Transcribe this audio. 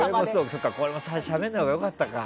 これもしゃべらないほうが良かったか。